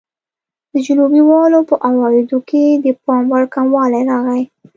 د جنوبي والو په عوایدو کې د پاموړ کموالی راغی.